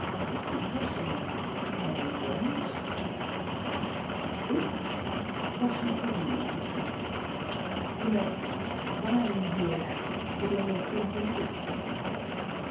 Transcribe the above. If the Prussians had England. ... If the Prussians had England ... you know, lying here it almost seems inevitable.